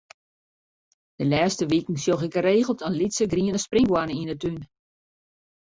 De lêste wiken sjoch ik geregeld in lytse griene sprinkhoanne yn 'e tún.